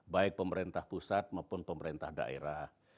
baik pemerintah pusat maupun pemerintah daerah